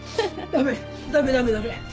ダメダメダメダメ。